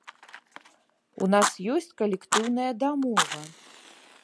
У нас ёсць калектыўная дамова.